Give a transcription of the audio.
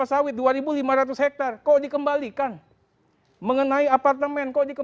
saya udah bikin surat loh